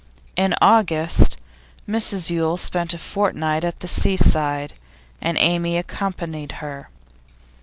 In August, Mrs Yule spent a fortnight at the seaside, and Amy accompanied her.